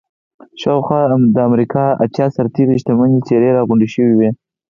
شاوخوا د امريکا اتيا سترې شتمنې څېرې را غونډې شوې وې.